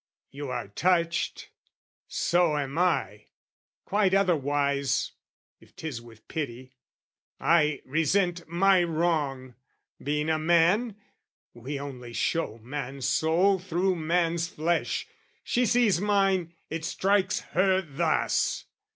You are touched? So am I, quite otherwise, If 'tis with pity. I resent my wrong, Being a man: we only show man's soul Through man's flesh, she sees mine, it strikes her thus!